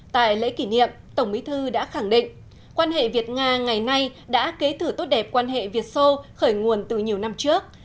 tại lễ kỷ niệm tổng bí thư đã khẳng định quan hệ việt nga ngày nay đã kế thử tốt đẹp quan hệ việt sô khởi nguồn từ nhiều năm trước